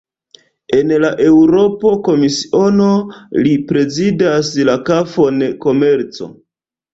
En la Eŭropa Komisiono, li prezidas la fakon "komerco".